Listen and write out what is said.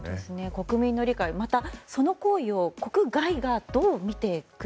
国民の理解またその行為を国外がどう見てくるか。